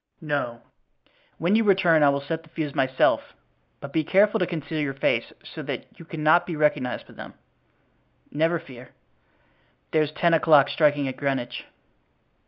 "No. When you return I will set the fuse myself, but be careful to conceal your face, so that you cannot be recognized by them." "Never fear." "There's ten o'clock striking at Greenwich."